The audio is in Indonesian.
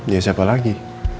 ya siapa lagi